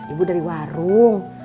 ibu dari warung